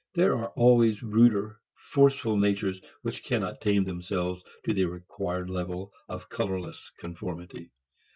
There are always ruder forceful natures who cannot tame themselves to the required level of colorless conformity.